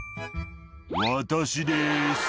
「私です」